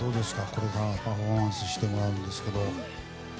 これからパフォーマンスをしてもらうんですけど。